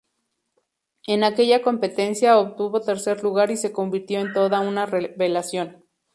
En aquella competencia obtuvo tercer lugar y se convirtió en toda una revelación.